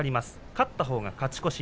勝ったほうが勝ち越し。